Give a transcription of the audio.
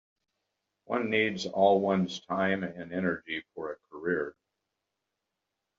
One needs all one's time and energy for a career.